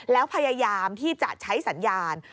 แล้วพยายามที่จะใช้สัญญาณ